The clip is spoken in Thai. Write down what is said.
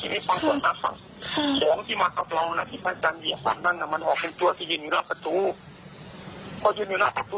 เยอะมากพระอาจารย์ก็คุยพระอาจารย์ก็ลงท่องถ่ายท่องเนียนด้วยสำหรังก็ไม่รู้